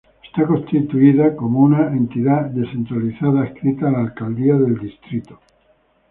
Está constituida como una entidad descentralizada adscrita a la Alcaldía Distrital.